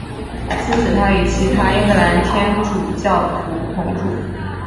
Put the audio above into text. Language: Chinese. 自此他与其他英格兰天主教徒同住。